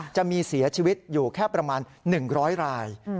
จะมีเสียชีวิตอยู่แค่ประมาณ๑๐๐ราย